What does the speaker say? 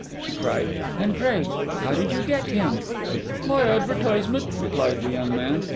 she cried. 'And pray, how did you get him?' 'By advertisement,' replied the young man.